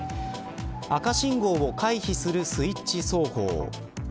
赤信号を回避するスイッチ走法。